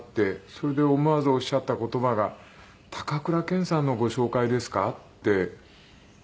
それで思わずおっしゃった言葉が「高倉健さんのご紹介ですか？」っておっしゃったんです。